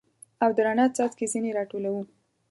او د رڼا څاڅکي ځیني را ټولوو